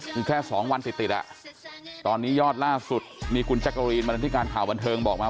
มีแค่๒วันติดแล้วตอนนี้ยอดล่าสุดมีคุณแจ๊กโกรีนมาที่การข่าวบันเทิงบอกมา